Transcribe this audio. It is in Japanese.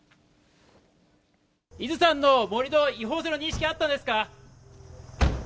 伊豆山の盛り土の違法性の認識はあったんですか。